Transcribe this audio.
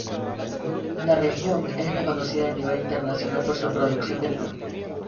La región es reconocida a nivel internacional por su producción de vino.